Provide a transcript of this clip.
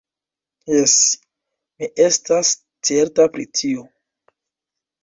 Jes; mi estas certa pri tio.